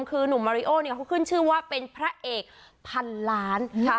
คือหนุ่มมาริโอเนี่ยเขาขึ้นชื่อว่าเป็นพระเอกพันล้าน